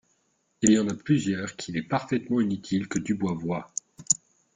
Il y en a plusieurs qu'il est parfaitement inutile que Dubois voie.